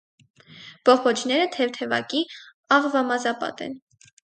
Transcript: Բողբոջները թեթևակի աղվամազապատ են։